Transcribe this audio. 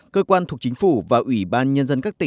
cơ quan thuộc chính phủ và ủy ban nhân dân các tỉnh